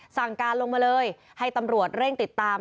สั่งการลงมาเลยให้ตำรวจเร่งติดตาม